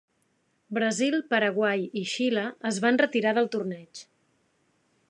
Brasil, Paraguai i Xile es van retirar del torneig.